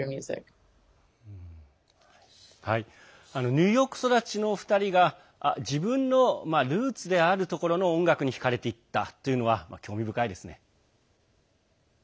ニューヨーク育ちの２人が自分のルーツであるところの音楽に引かれていったというのは興味深いですね。